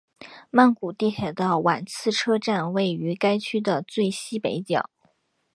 曼谷地铁的挽赐车站位于该区最西北角。